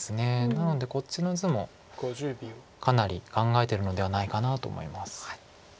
なのでこっちの図もかなり考えてるのではないかと思います。